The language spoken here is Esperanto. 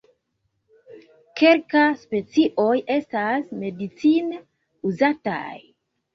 Kelka specioj estas medicine uzataj.